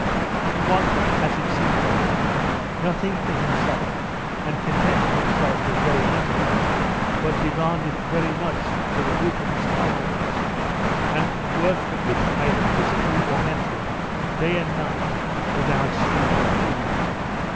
He wanted, as it seemed to him, nothing for himself and contented himself with very little, but demanded very much for the group of his comrades, and could work for it either physically or mentally day and night, without sleep or food.